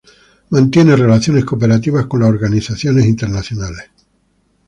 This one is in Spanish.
Mantiene relaciones cooperativas con las organizaciones internacionales.